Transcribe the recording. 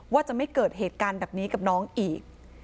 ว่าจะไม่เกิดเหตุการณ์แบบนี้กับน้องอีก